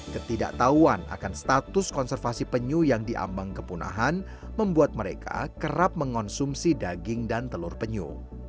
ketidaktahuan akan status konservasi penyu yang diambang kepunahan membuat mereka kerap mengonsumsi daging dan telur penyu